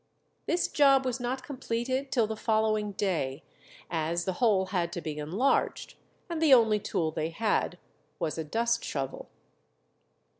This job was not completed till the following day, as the hole had to be enlarged, and the only tool they had was a dust shovel.